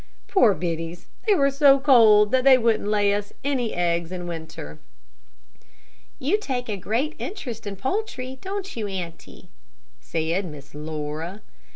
Poor biddies, they were so cold that they wouldn't lay us any eggs in winter." "You take a great interest in your poultry, don't you auntie?" said Miss Laura.